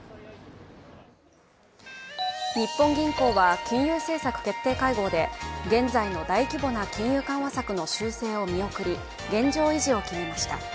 日本銀行は金融政策決定会合で現在の大規模な金融緩和策の修正を見送り、現状維持を決めました。